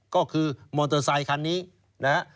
ก็คือมอเตอร์ไซคันนี้นะฮะ